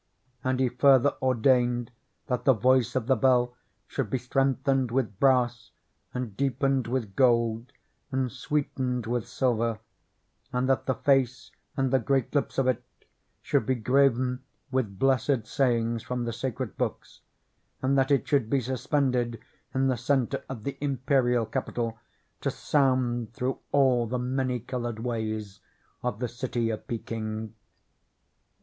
And he further ordained that the voice of the bell should be strengthened with brass, and deep ened with gold, and sweetened with silver; and that the face and the great lips of it should be graven with blessed sayings from the sacred books, and that it should be suspended in the center of the imperial capital, to sound through all the many colored ways of the city of Pe king.